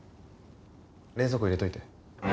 冷蔵庫入れておいて。